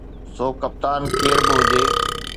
سو ڪپتان ڪير به هجي